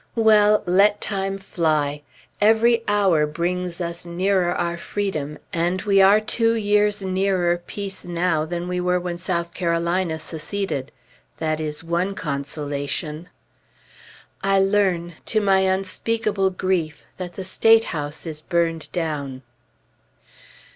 Well, let time fly. Every hour brings us nearer our freedom, and we are two years nearer peace now than we were when South Carolina seceded. That is one consolation.... I learn, to my unspeakable grief, that the State House is burned down.